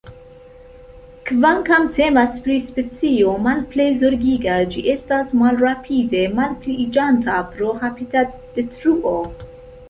Kvankam temas pri specio Malplej Zorgiga, ĝi estas malrapide malpliiĝanta pro habitatodetruo.